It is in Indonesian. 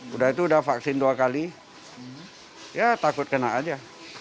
udah itu udah vaksin dua kali ya takut kena aja